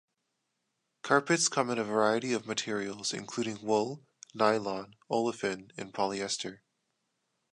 Carpets come in a variety of materials including wool, nylon, olefin and polyester.